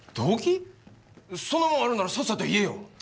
そんなもんあるならさっさと言えよ。